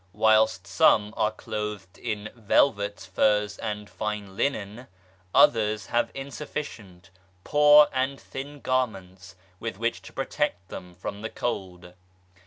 Whilst some are clothed in velvets, furs and fine linen, others have in sufficient, poor and thin garments with which to protect them from the cold.